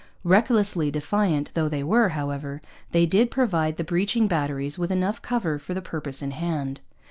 Recklessly defiant though they were, however, they did provide the breaching batteries with enough cover for the purpose in hand.